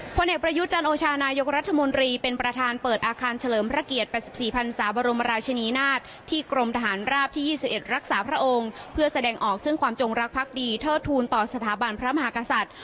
ผลเอกประยุทธ์จันโอชานายกรัฐมนตรีเป็นประธานเปิดอาคารเฉลิมพระเกียรติ๘๔พันศาบรมราชนีนาฏที่กรมทหารราบที่๒๑รักษาพระองค์เพื่อแสดงออกซึ่งความจงรักพักดีเทิดทูลต่อสถาบันพระมหากษัตริย์